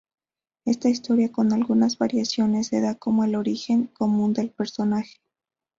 Esta historia, con algunas variaciones, se da como el origen común del personaje.